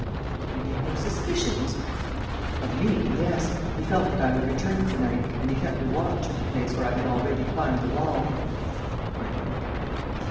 "Then he had no suspicions?" "Of me, yes. He felt that I would return to night, and he kept a watch at the place where I had already climbed the wall." "Well?"